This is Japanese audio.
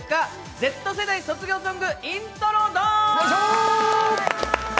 Ｚ世代卒業ソング、イントロドーン！